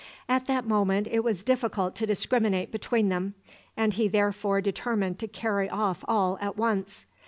At that moment it was difficult to discriminate between them, and he therefore determined to carry off all at once.